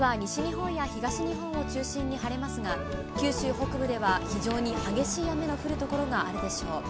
あすは西日本や東日本を中心に晴れますが、九州北部では非常に激しい雨の降る所があるでしょう。